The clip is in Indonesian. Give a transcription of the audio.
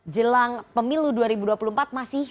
jelang pemilu dua ribu dua puluh empat masih